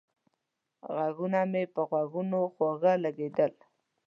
غږونه مې په غوږونو خواږه لگېدل